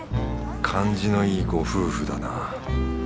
感じのいいご夫婦だな。